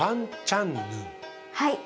はい。